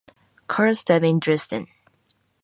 Carus died in Dresden.